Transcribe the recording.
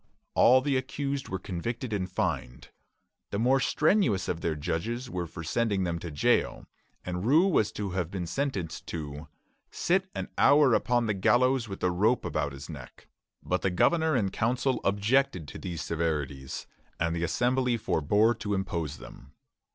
All the accused were convicted and fined. The more strenuous of their judges were for sending them to jail, and Rous was to have been sentenced to "sit an hour upon the gallows with a rope about his neck;" but the governor and council objected to these severities, and the Assembly forbore to impose them.